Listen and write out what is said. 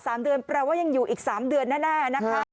ตลาด๓เดือนแปลว่ายังอยู่อีก๓เดือนแน่นะครับ